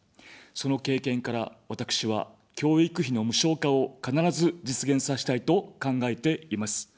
その経験から私は教育費の無償化を必ず実現させたいと考えています。